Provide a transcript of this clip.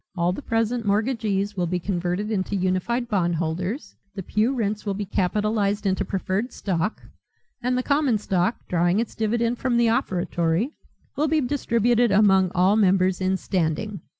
All the present mortgagees will be converted into unified bondholders, the pew rents will be capitalized into preferred stock and the common stock, drawing its dividend from the offertory, will be distributed among all members in standing.